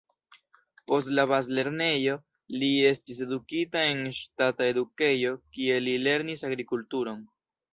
Post la bazlernejo li estis edukita en ŝtata edukejo, kie li lernis agrikulturon.